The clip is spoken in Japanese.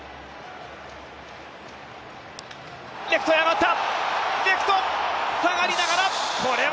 レフトへ上がった！